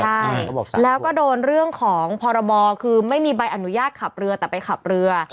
ใช่แล้วก็โดนเรื่องของพรบคือไม่มีใบอนุญาตขับเรือแต่ไปขับเรือ